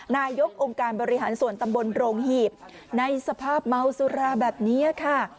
นายกองค์การบริหารส่วนตำบลโรงหีบในสภาพเมาสุราแบบนี้ค่ะ